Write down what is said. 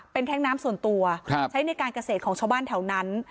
เป็นแท้งน้ำส่วนตัวใช้ในการเกษตรของชาวบ้านแถวนั้น